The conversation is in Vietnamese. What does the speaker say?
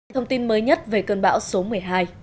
thông tin mới nhất về cơn bão số một mươi hai